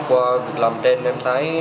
qua việc làm trên em thấy